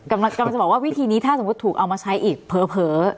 กำลังจะบอกว่าวิธีนี้ถ้าสมมุติถูกเอามาใช้อีกเผลอ